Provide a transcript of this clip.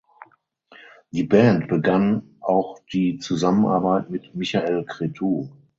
Die Band begann auch die Zusammenarbeit mit Michael Cretu.